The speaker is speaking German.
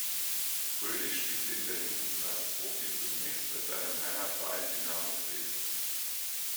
Fröhlich spielte in der Jugend und als Profi zunächst bei seinem Heimatverein Dynamo Dresden.